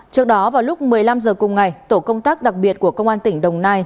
trước đó vào lúc một mươi năm h cùng ngày tổ công tác đặc biệt của công an tỉnh đồng nai